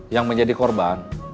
yang menjadi korban